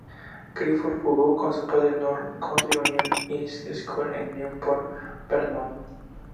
Clifford jugó para su padre en North Country Union High School en Newport Vermont.